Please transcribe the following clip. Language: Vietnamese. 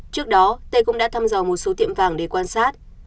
trước đó tê cũng đã thăm dò một số tiệm vàng để quan sát